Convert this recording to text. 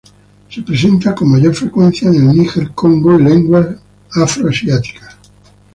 Se presenta con mayor frecuencia en el Níger-Congo y lenguas afro-asiáticas.